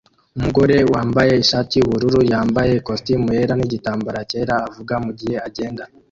Umugore wambaye ishati yubururu yambaye ikositimu yera nigitambara cyera avuga mugihe agenda